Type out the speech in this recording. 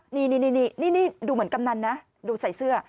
นี่ดูเหมือนกำนันนะดูใส่เสื้อ